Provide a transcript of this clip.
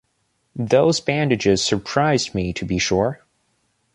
Those bandages surprised me, to be sure!